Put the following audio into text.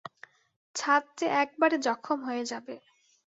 ছাত যে একবারে জখম হয়ে যাবে।